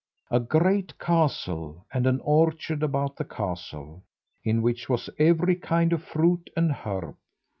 A great castle, and an orchard about the castle, in which was every kind of fruit and herb.